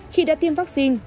khi đã tiêm vaccine